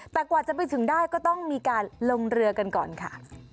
แต่กว่าจะไปถึงได้ก็ต้องมีการลงเรือกันก่อนค่ะ